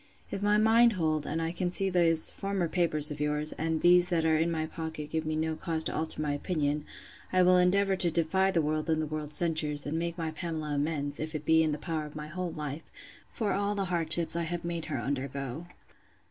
If my mind hold, and I can see those former papers of yours, and that these in my pocket give me no cause to altar my opinion, I will endeavour to defy the world and the world's censures, and make my Pamela amends, if it be in the power of my whole life, for all the hardships I have made her undergo.